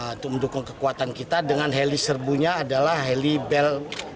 untuk mendukung kekuatan kita dengan heli serbunya adalah heli bel empat ratus dua belas